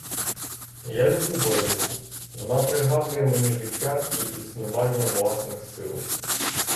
Я люблю боротьбу: вона пригадує мені життя і існування власних сил.